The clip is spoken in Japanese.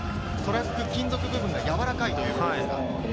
金属部分がやわらかいということですか？